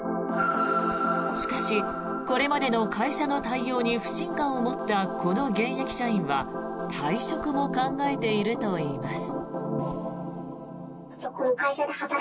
しかし、これまでの会社の対応に不信感を持ったこの現役社員は退職を考えているといいます。